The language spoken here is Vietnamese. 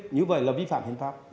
như vậy là vi phạm hiến pháp